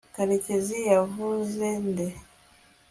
karekezi yavuze nde